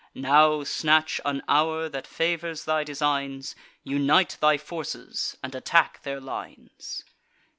Now snatch an hour that favours thy designs; Unite thy forces, and attack their lines."